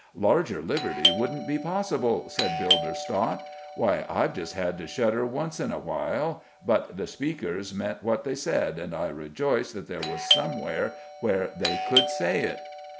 "Larger liberty wouldn't be possible," said Builder Stott. "Why, I've just had to shudder once in a while, but the speakers meant what they said, and I rejoiced that there was somewhere where they could say it."